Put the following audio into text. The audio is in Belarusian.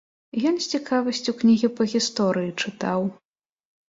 Ён з цікавасцю кнігі па гісторыі чытаў.